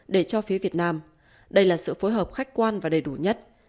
để cho phía việt nam đây là sự phối hợp khách quan và đầy đủ nhất